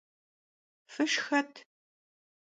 Fışşxet!